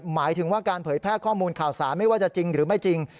หมายถึงว่าการเผยแพร่ข้อมูลข่าวสารไม่ว่าจะจริงหรือไม่จริง